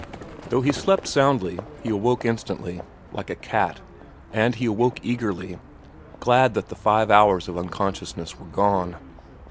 Though he slept soundly, he awoke instantly, like a cat, and he awoke eagerly, glad that the five hours of unconsciousness were gone.